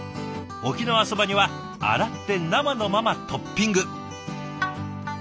沖縄そばには洗って生のままトッピング。